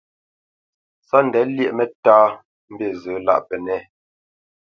Sóndɛ lyéʼ mǝ́tāmbîzǝ lâʼ pǝnɛ̂.